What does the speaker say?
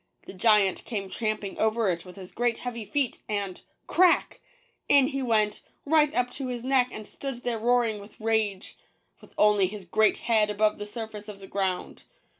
The giant came tramping over it with his great heavy feet, and —" crack !"— in he went, right up to his neck and stood there roaring with rage, with only his great head above the surface of the ground.